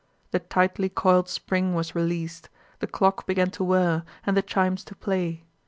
The tightly coiled spring was released, the clock began to whirr and the chimes to play.